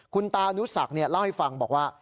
คุณตานุศักดิ์เนี่ยเล่าให้ฟังบอกว่า